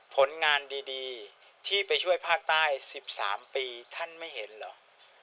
ผลงานดีที่ไปช่วยภาคใต้๑๓ปีท่านไม่เห็นเหรอ